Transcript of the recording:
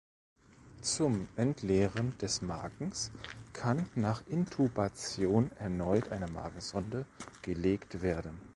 Zum Entleeren des Magens kann nach Intubation erneut eine Magensonde gelegt werden.